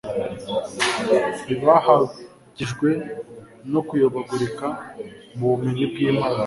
ntibahagijwe no kuyobagurika mu bumenyi bw'imana